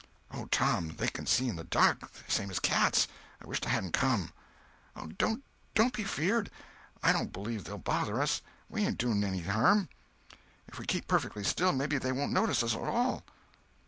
"Oh, Tom, they can see in the dark, same as cats. I wisht I hadn't come." "Oh, don't be afeard. I don't believe they'll bother us. We ain't doing any harm. If we keep perfectly still, maybe they won't notice us at all."